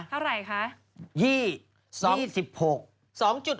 เท่าไหร่คะ